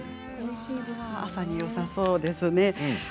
朝によさそうですね。